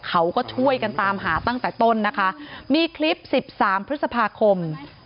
เขาก็ช่วยกันตามหาตั้งแต่ต้นนะคะมีคลิปสิบสามพฤษภาคม